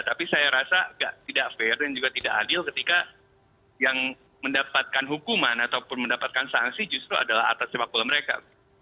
tapi saya rasa tidak fair dan juga tidak adil ketika yang mendapatkan hukuman ataupun mendapatkan sanksi justru adalah atas sepak bola mereka